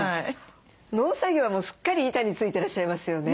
農作業はもうすっかり板についてらっしゃいますよね。